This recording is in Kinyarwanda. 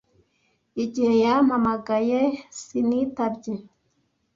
igihe yampamagaye sinitabye